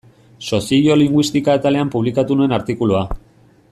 Soziolinguistika atalean publikatu nuen artikulua.